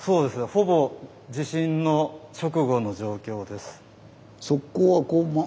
ほぼ地震の直後の状況です。